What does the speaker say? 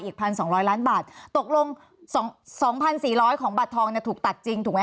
อีก๑๒๐๐ล้านบาทตกลง๒๔๐๐ของบัตรทองเนี่ยถูกตัดจริงถูกไหม